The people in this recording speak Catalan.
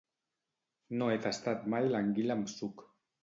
No he tastat mai l'anguila amb suc